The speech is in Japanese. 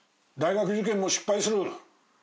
大学受験も失敗する。